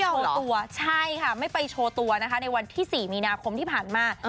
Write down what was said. โชว์ตัวใช่ค่ะไม่ไปโชว์ตัวนะคะในวันที่๔มีนาคมที่ผ่านมา